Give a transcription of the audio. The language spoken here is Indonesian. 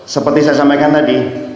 seperti saya sampaikan tadi